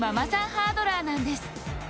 ハードラーなんです。